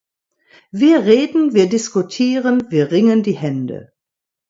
Wir reden, wir diskutieren, wir ringen die Hände.